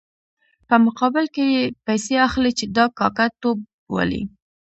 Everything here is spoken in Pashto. په مقابل کې یې پیسې اخلي چې دا کاکه توب بولي.